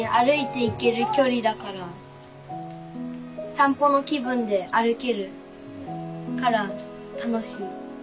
散歩の気分で歩けるから楽しい。